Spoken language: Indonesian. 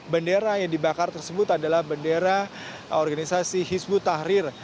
bendera yang dibakar tersebut adalah bendera organisasi hizbut tahrir